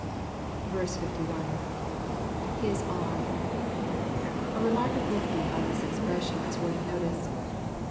61 .— [His arm,] A remark of Whitby on this expression is worth notice.